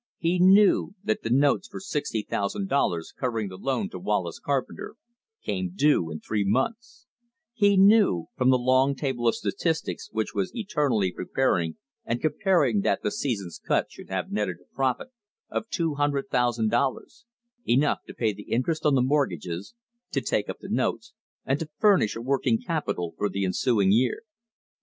He knew that the notes for sixty thousand dollars covering the loan to Wallace Carpenter came due in three months; he knew from the long table of statistics which he was eternally preparing and comparing that the season's cut should have netted a profit of two hundred thousand dollars enough to pay the interest on the mortgages, to take up the notes, and to furnish a working capital for the ensuing year.